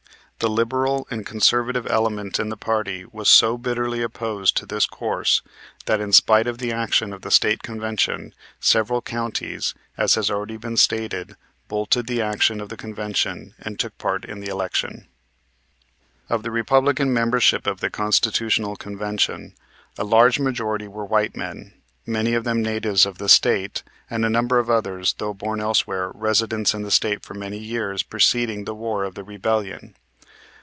The liberal and conservative element in the party was so bitterly opposed to this course that in spite of the action of the State Convention several counties, as has been already stated, bolted the action of the convention and took part in the election. Of the Republican membership of the Constitutional Convention a large majority were white men, many of them natives of the State and a number of others, though born elsewhere, residents in the State for many years preceding the war of the Rebellion.